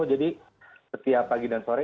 setiap pagi dan sore